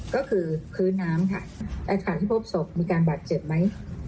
ก็คือพื้นน้ำค่ะที่พบศพมีการบาดเจ็บไหม